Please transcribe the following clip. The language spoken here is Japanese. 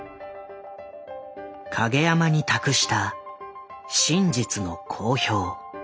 影山に託した「真実の公表」。